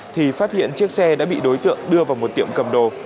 thì phát hiện chiếc xe đã bị đối tượng đưa vào một tiệm cầm đồ